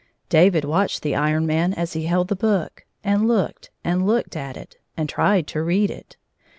David watched the Iron Man as he held the book, and looked and looked at it, and tried to read it.